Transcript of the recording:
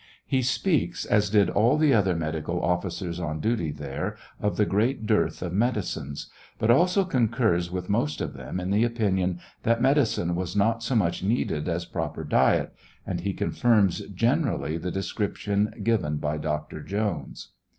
He speaks, as did all the other medical officers on duty there, of the great dearth of medicines ; but also coucurs with most of them in the opinion that medicine was not so much needed as proper diet, and he confirms generally the description given by Dr. Jones.